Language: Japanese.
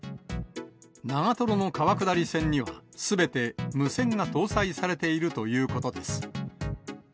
長瀞の川下り船には、すべて無線が搭載されているということです。